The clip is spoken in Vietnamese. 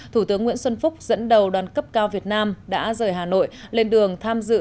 thủ tướng nguyễn xuân phúc dẫn đầu đoàn cấp cao việt nam đã rời hà nội lên đường tham dự